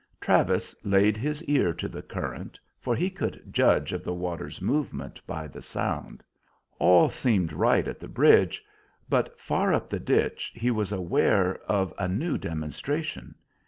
Travis laid his ear to the current, for he could judge of the water's movement by the sound. All seemed right at the bridge, but far up the ditch he was aware of a new demonstration.